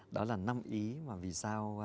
đó là năm ý mà vì sao